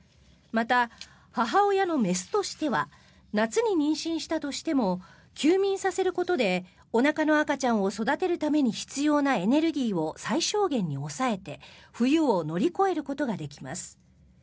また母親の雌としては夏に妊娠したとしても休眠させることでおなかの赤ちゃんを育てるために必要なエネルギーを最小限に抑えて冬を乗り越えることができます。